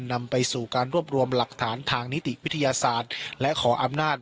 นำไปสู่การรวบรวมหลักฐานทางนิติวิทยาศาสตร์และขออำนาจ